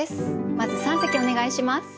まず三席お願いします。